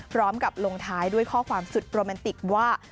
พร้อมกับลงท้ายด้วยข้อความสุดโรแมนติกว่า